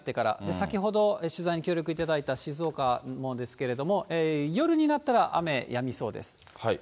先ほど取材に協力いただいた静岡もですけれども、夜になったら雨やみそうです。